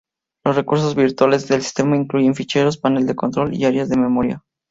Los recursos virtuales del sistema incluyen ficheros, Panel de control y áreas de memoria.